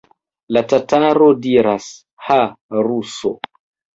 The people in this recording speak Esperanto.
La tataro diras: Ha, ruso!